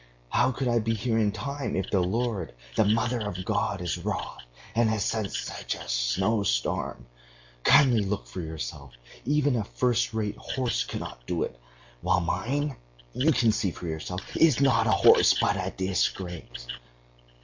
How could I be here in time if the Lord.... The Mother of God... is wroth, and has sent such a snowstorm? Kindly look for yourself.... Even a first rate horse could not do it, while mine you can see for yourself is not a horse but a disgrace.